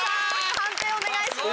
判定お願いします。